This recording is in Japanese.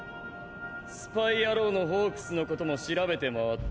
スパイ野郎のホークスの事も調べて回った。